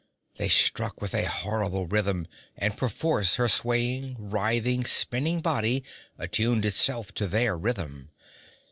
They struck with a horrible rhythm, and perforce her swaying, writhing, spinning body attuned itself to their rhythm.